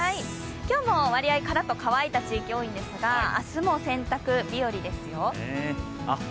今日も割合カラッと乾いた地域が多いんですが明日も洗濯日和ですよ。